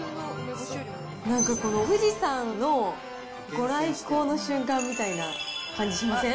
なんかこの富士山の御来光の瞬間みたいな感じしません？